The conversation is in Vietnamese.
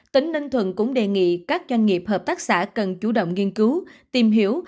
tỉnh ninh thuận cũng đề nghị các doanh nghiệp hợp tác xã cần chủ động nghiên cứu tìm hiểu